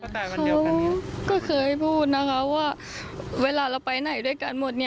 เขาก็เคยพูดนะคะว่าเวลาเราไปไหนด้วยกันหมด